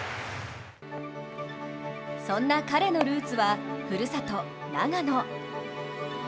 そんな彼のルーツは、ふるさと・長野。